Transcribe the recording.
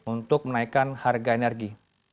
untuk menaikkan harga energi